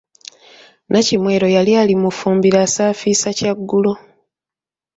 Nnakimwero yali ali mu ffumbiro asaafiisa kyaggulo.